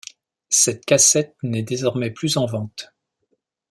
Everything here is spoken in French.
Cette cassette n'est désormais plus en vente.